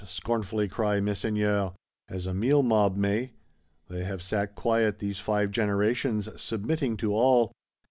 scornfully cry Messeigneurs. As a meal mob may! They have sat quiet, these five generations, submitting to all.